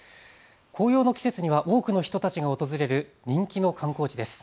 紅葉の季節には多くの人たちが訪れる人気の観光地です。